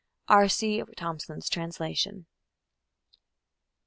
_R.C. Thompson's Translation.